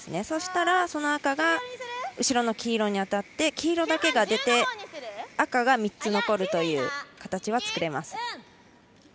そうしたら、その赤が後ろの黄色に当たって黄色だけが出て赤が３つ残るという形は作れます。